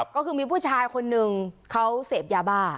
ก็คือมีผู้ชายคนนึงเขาเสพยาบ้า